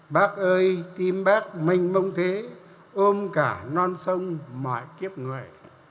bác ơi tim bác mênh mông thế ôm cả non sông mọi kiếp người